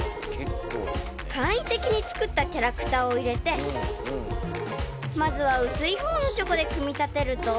［簡易的に作ったキャラクターを入れてまずは薄い方のチョコで組み立てると］